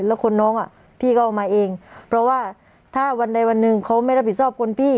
แล้วคนน้องอ่ะพี่ก็เอามาเองเพราะว่าถ้าวันใดวันหนึ่งเขาไม่รับผิดชอบคนพี่